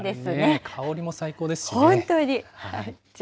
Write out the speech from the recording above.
香りも最高ですしね。